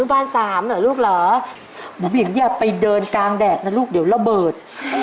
บานสามเหรอลูกเหรอบุ๋มบิ๋มอย่าไปเดินกลางแดดนะลูกเดี๋ยวระเบิด